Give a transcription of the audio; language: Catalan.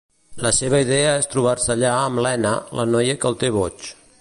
La seva idea és trobar-se allà amb Lena, la noia que el té boig.